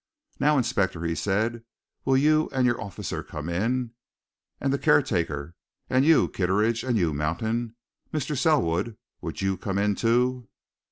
"Now, inspector," he said, "will you and your officer come in? And the caretaker and you, Kitteridge, and you, Mountain. Mr. Selwood, will you come in, too?"